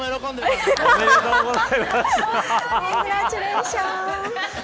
おめでとうございます。